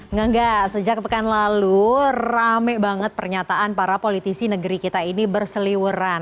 enggak enggak sejak pekan lalu rame banget pernyataan para politisi negeri kita ini berseliweran